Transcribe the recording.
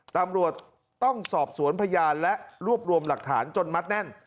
ตำรวจต้องสอบสวนพยานและรวบรวมหลักฐานจนมัดแน่น